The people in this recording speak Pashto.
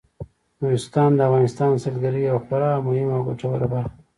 نورستان د افغانستان د سیلګرۍ یوه خورا مهمه او ګټوره برخه ده.